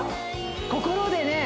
心でね